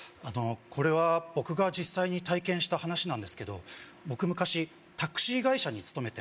あのこれは僕が実際に体験した話なんですけど僕昔タクシー会社に勤めてまして